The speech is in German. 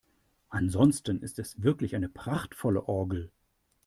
Ansonsten ist es wirklich eine prachtvolle Orgel.